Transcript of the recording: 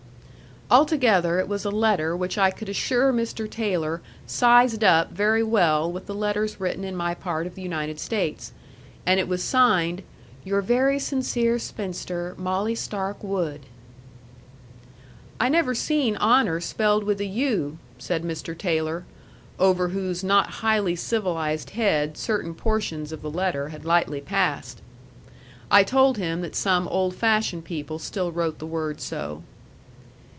Altogether it was a letter which I could assure Mr. Taylor "sized up" very well with the letters written in my part of the United States. And it was signed, "Your very sincere spinster, Molly Stark Wood." "I never seen HONOR spelled with a U," said Mr. Taylor, over whose not highly civilized head certain portions of the letter had lightly passed. I told him that some old fashioned people still wrote the word so.